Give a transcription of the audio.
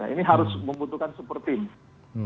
ini harus membutuhkan seperti ini